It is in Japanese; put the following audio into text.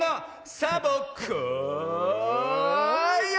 サボ子よ！